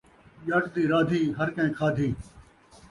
ڄٹ دی رادھی ، ہر کئیں کھادی